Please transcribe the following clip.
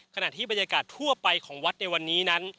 ขณะที่บรรยากาศทั่วไปของวัดในวันนี้นั้น